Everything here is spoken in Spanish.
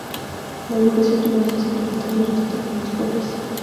La educación primaria se hizo obligatoria y gratuita para los pobres.